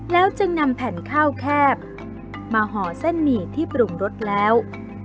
แล้วจึงนำแผ่นข้าวแคบมาห่อเส้นหมี่ที่ปรุงรสแล้ว